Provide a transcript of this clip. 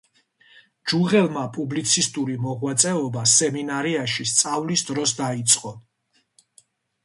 ჯუღელმა პუბლიცისტური მოღვაწეობა სემინარიაში სწავლის დროს დაიწყო.